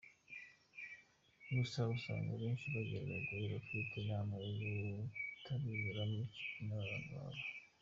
Gusa usanga ahenshi bagira abagore batwite inama yo kutabinyuramo kimwe n’abana bato.